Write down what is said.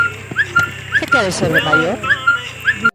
Que queres ser de maior?